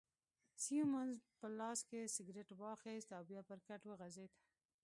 سیمونز په لاس کي سګرېټ واخیست او بیا پر کټ وغځېد.